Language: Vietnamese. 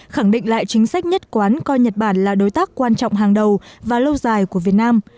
khẳng định lại chính sách nhất quán coi nhật bản là đối tác quan trọng hàng đầu và lâu dài của việt nam